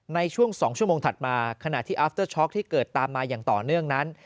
ในช่วงสองชั่วโมงถัดมาขณะที่ที่เกิดตามมาอย่างต่อเนื่องนั้น